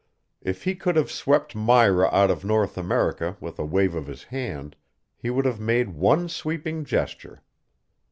If he could have swept Myra out of North America with a wave of his hand, he would have made one sweeping gesture.